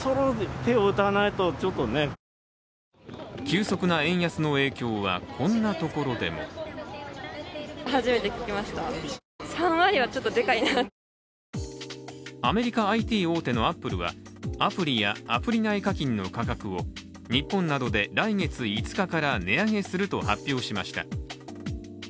急速な円安の影響は、こんなところでもアメリカＩＴ大手のアップルはアプリやアプリ内課金の価格を日本などで、来月５日から値上げすると発表しました。